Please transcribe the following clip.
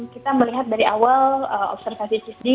kita melihat dari awal observasi cipdi